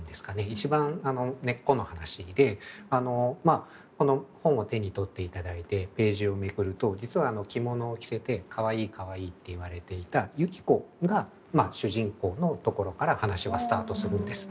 一番根っこの話でこの本を手に取っていただいてページをめくると実は着物を着せて「可愛い可愛い」と言われていた雪子が主人公のところから話はスタートするんです。